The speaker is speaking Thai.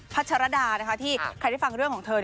ัชรดานะคะที่ใครได้ฟังเรื่องของเธอ